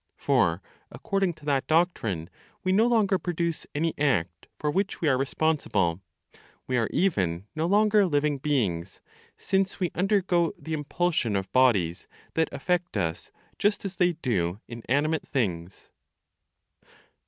For, according to that doctrine we no longer produce any act for which we are responsible, we are even no longer living beings, since we undergo the impulsion of bodies that affect us just as they do inanimate things.